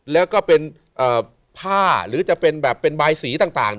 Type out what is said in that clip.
และก็เป็นผ้าหรือจะเป็นใบสีต่าง